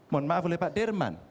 mohon maaf oleh pak dirman